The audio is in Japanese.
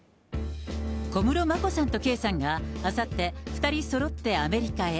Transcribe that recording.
小室眞子さんと圭さんが、あさって２人そろってアメリカへ。